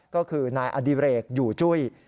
ก็คือนายอดิเรกอยู่จุ้ย